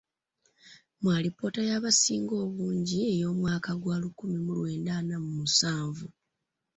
Mu alipoota y’abasinga obungi ey’omwaka gwa lukumi mu lwenda ana mu musanvu.